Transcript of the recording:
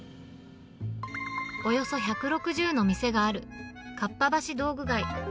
およそ１６０の店があるかっぱ橋道具街。